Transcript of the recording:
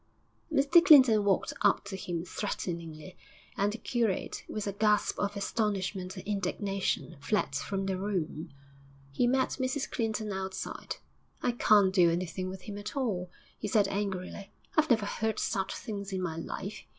Mr Clinton walked up to him threateningly, and the curate, with a gasp of astonishment and indignation, fled from the room. He met Mrs Clinton outside. 'I can't do anything with him at all,' he said angrily. 'I've never heard such things in my life.